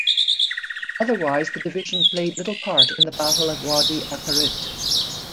Otherwise the division played little part in the Battle of Wadi Akarit.